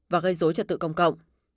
và gây dối trật tự công cộng